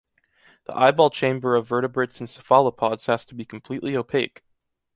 The eyeball chamber of vertebrates and cephalopods has to be completely opaque.